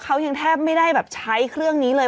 เขายังแทบไม่ได้แบบใช้เครื่องนี้เลย